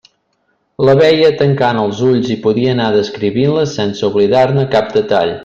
La veia tancant els ulls i podia anar descrivint-la sense oblidar-ne cap detall.